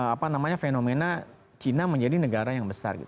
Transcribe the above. apa namanya fenomena china menjadi negara yang besar